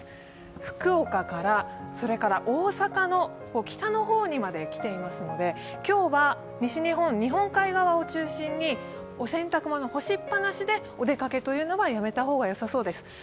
福岡から大阪の北の方にまで来ていますので、今日は西日本、日本海側を中心にお洗濯物干しっぱなしでお出かけというのはやめた方がよさそうです。